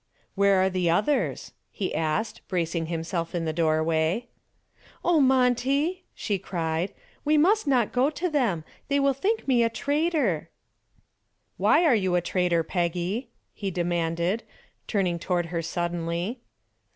"Where are the others?" he asked, bracing himself in the doorway. "Oh, Monty," she cried, "we must not go to them. They will think me a traitor." "Why were you a traitor, Peggy?" he demanded, turning toward her suddenly.